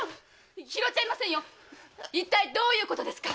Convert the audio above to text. いったいどういうことですか？